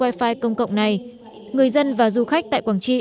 wi fi công cộng này người dân và du khách tại quảng trị